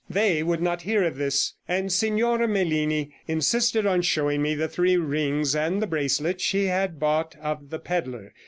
They would not hear of this, and Signora Melini insisted on showing me the three rings and the bracelet she had bought of the pedlar.